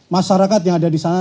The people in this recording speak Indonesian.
masyarakat yang ada disana